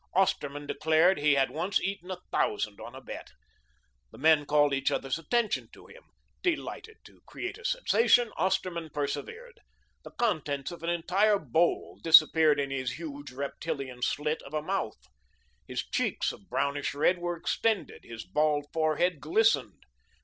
Osterman declared he had once eaten a thousand on a bet. The men called each others' attention to him. Delighted to create a sensation, Osterman persevered. The contents of an entire bowl disappeared in his huge, reptilian slit of a mouth. His cheeks of brownish red were extended, his bald forehead glistened.